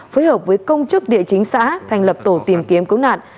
phối hợp với công chức địa chính xã thành lập tổ tìm kiếm cứu nạn